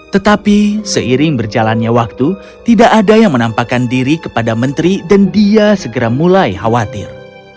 tetapi seiring berjalannya waktu tidak ada yang menampakkan diri kepada menteri dan dia segera mulai khawatir